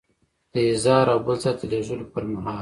د احضار او بل ځای ته د لیږلو پر مهال.